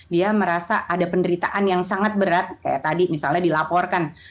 dia merasa ada penderitaan yang sangat berat kayak tadi misalnya dilaporkan